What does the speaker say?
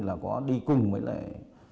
là có đi cùng với lại